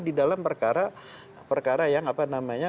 di dalam perkara perkara yang apa namanya